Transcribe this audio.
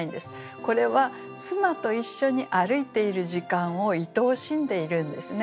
これは妻と一緒に歩いている時間をいとおしんでいるんですね。